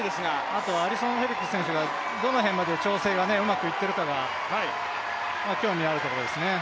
あとアリソン・フェリックス選手がどの辺まで調整がうまくいっているかが興味があるところですね。